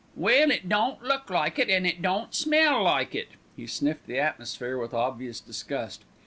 "Well, it don't look like it, and it don't smell like it." He sniffed the atmosphere with obvious disgust.